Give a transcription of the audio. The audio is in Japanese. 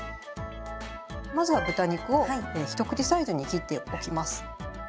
まずは豚肉を一口サイズに切っておきます。